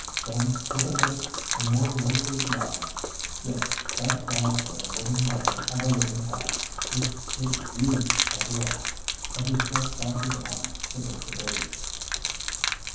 Then, with another and more resolute wag, "Yes, thank God for a living mother and a living child, if it is a girl," and he stretched out his arms to take the baby.